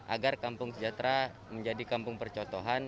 agar kampung sejahtera menjadi kampung percontohan